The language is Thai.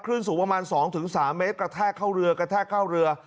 สูงประมาณ๒๓เมตรกระแทกเข้าเรือกระแทกเข้าเรือ